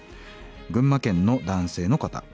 群馬県の男性の方。